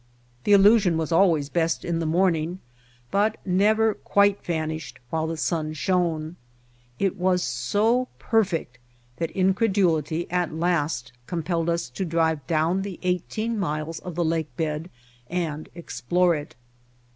The illusion was always best in the morn ing, but never quite vanished while the sun shone. It was so perfect that incredulity at last compelled us to drive down the eighteen miles of the lake bed and explore it.